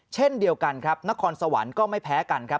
เช่นเดียวกันครับนครสวรรค์ก็ไม่แพ้กันครับ